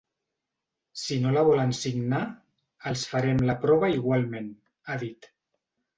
Si no la volen signar, els farem la prova igualment, ha dit.